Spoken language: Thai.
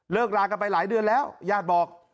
ลากันไปหลายเดือนแล้วญาติบอก